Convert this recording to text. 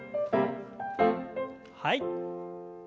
はい。